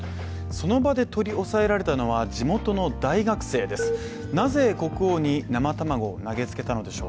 その場で取り押さえられたのは地元の大学生です。